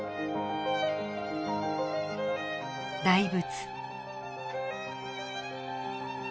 大仏。